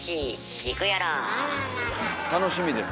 楽しみです。